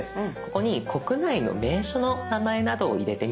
ここに国内の名所の名前などを入れてみて下さい。